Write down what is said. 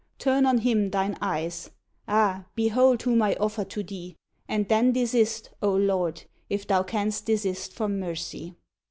Turn on him thine eyes: ah! behold whom I offer to thee, and then desist, O Lord! if thou canst desist from mercy."